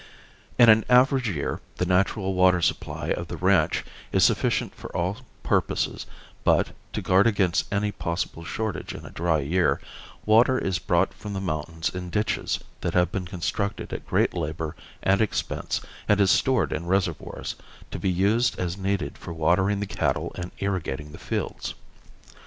In an average year the natural water supply of the ranch is sufficient for all purposes but, to guard against any possible shortage in a dry year, water is brought from the mountains in ditches that have been constructed at great labor and expense and is stored in reservoirs, to be used as needed for watering the cattle and irrigating the fields.